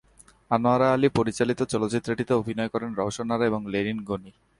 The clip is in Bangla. আনোয়ারা আলী পরিচালিত চলচ্চিত্রটিতে অভিনয় করেন রওশন আরা এবং লেনিন গনি।